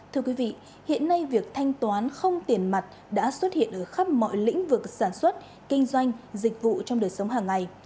thưa quý vị hiện nay việc thanh toán không tiền mặt đã xuất hiện ở khắp mọi lĩnh vực sản xuất kinh doanh dịch vụ trong đời sống hàng ngày